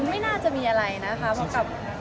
ไม่น่าจะมีอะไรนะคะเพราะกับ